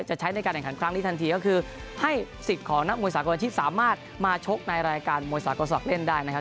ใช้ในการแข่งขันครั้งนี้ทันทีก็คือให้สิทธิ์ของนักมวยสากลที่สามารถมาชกในรายการมวยสากลศักดิ์เล่นได้นะครับ